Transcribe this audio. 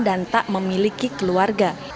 dan tak memiliki keluarga